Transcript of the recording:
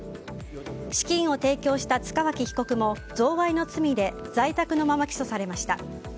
資金を提供した塚脇被告も贈賄の罪で在宅のまま起訴されました。